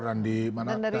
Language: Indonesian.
dan dari sumatera juga kan